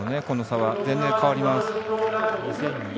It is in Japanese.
この差は全然、変わります。